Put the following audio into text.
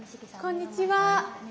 こんにちは。